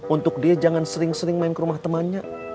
untuk dia jangan sering sering main ke rumah temannya